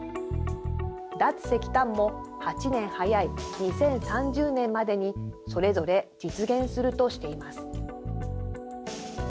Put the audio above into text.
脱石炭も８年早い２０３０年までにそれぞれ実現するとしています。